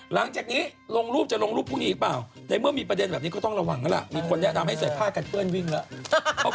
หลังจากนี้ลงรูปจะลงรูปพรุ่งนี้หรือเปล่าในเมื่อมีประเด็นแบบนี้ก็ต้องระวังกันล่ะมีคนแนะนำให้ใส่ผ้ากันเปื้อนวิ่งแล้ว